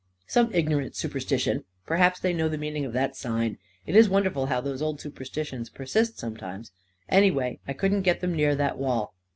"" Some ignorant superstition. Perhaps they know the meaning of that sign — it is wonderful how those old superstitions persist sometimes 1 Anyway, I couldn't get them near that wall."